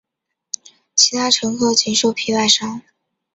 其他乘客仅受皮外伤。